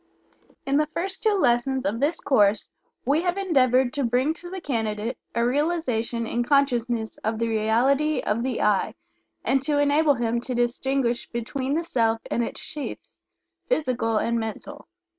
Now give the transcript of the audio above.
In the first two lessons of this course we have endeavored to bring to the candidate a realization in consciousness of the reality of the "I," and to enable him to distinguish between the Self and its sheaths, physical and mental.